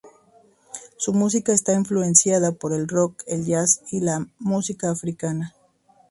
Su música está influenciada por el rock, el jazz y la música africana.